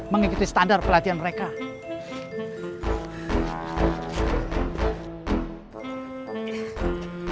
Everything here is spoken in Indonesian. mengikuti standar pelatihan rekan